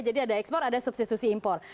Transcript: jadi ada ekspor ada substitusi impor